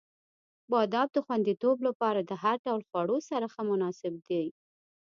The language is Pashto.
• بادام د خوندیتوب لپاره د هر ډول خواړو سره ښه مناسب دی.